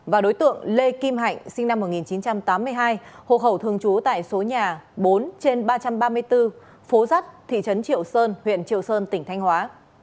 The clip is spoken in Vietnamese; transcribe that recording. và đối tượng lê kim hạnh sinh năm một nghìn chín trăm tám mươi hai hộ khẩu thường trú tại số nhà bốn trên ba trăm ba mươi bốn phố dắt thị trấn triệu sơn huyện triệu sơn tỉnh thanh hóa